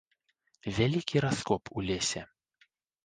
Вялікі раскоп у лесе.